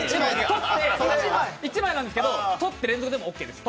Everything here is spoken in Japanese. １枚なんですけど取って連続でもオッケーです。